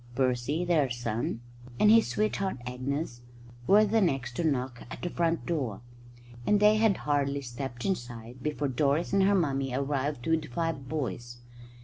Percy, their son, and his sweetheart Agnes were the next to knock at the front door; and they had hardly stepped inside before Doris and her mummy arrived with the five boys.